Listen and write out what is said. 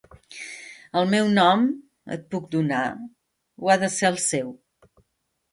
El meu nom, et puc donar, o ha de ser el seu?